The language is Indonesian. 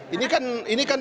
ini kan pemerintah